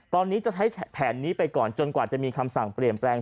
ตอนนี้จะใช้แผนนี้ไปก่อนจนกว่าจะมีคำสั่งเปลี่ยนแปลง